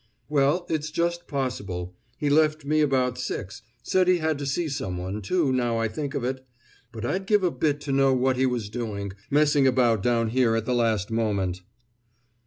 "Well, it's just possible. He left me about six; said he had to see some one, too, now I think of it. But I'd give a bit to know what he was doing, messing about down here at the last moment!"